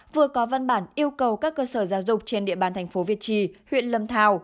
vừa có văn bản yêu cầu các cơ sở giáo dục trên địa bàn thành phố việt trì huyện lâm thào